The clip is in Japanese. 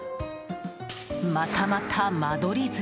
またまた、間取り図。